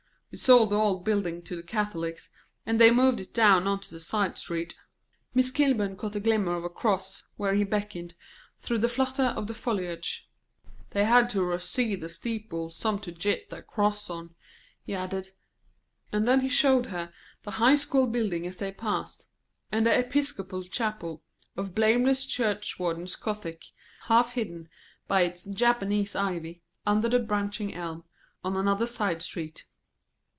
"We sold the old buildin' to the Catholics, and they moved it down ont' the side street." Miss Kilburn caught the glimmer of a cross where he beckoned, through the flutter of the foliage. "They had to razee the steeple some to git their cross on," he added; and then he showed her the high school building as they passed, and the Episcopal chapel, of blameless church warden's Gothic, half hidden by its Japanese ivy, under a branching elm, on another side street.